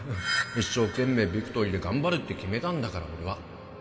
一生懸命ビクトリーで頑張るって決めたんだから俺は